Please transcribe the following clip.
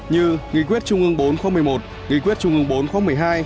như nghị quyết trung ương bốn khóa một mươi một nghị quyết trung ương bốn khóa một mươi hai